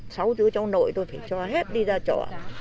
sáu chú cháu nội tôi phải cho hết đi ra chỗ